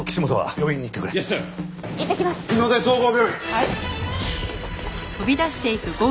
はい！